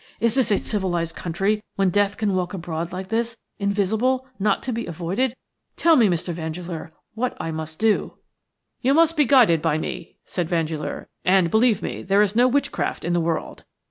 "Is this a civilized country when death can walk abroad like this, invisible, not to be avoided? Tell me, Mr. Vandeleur, what I must do." "You must be guided by me," said Vandeleur, "and, believe me, there is no witchcraft in the world.